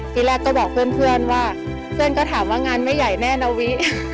ทีแรกก็บอกเพื่อนว่าเพื่อนก็ถามว่างานไม่ใหญ่แน่นะวิ